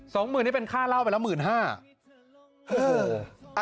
หมื่นนี่เป็นค่าเหล้าไปแล้วหมื่นห้า